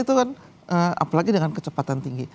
itu kan apalagi dengan kecepatan tinggi